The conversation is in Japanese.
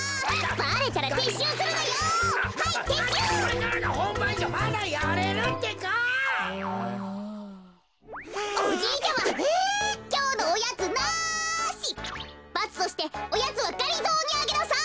バツとしておやつはがりぞーにあげなさい！